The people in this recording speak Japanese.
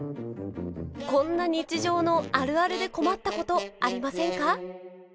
こんな日常のあるあるで困ったことありませんか？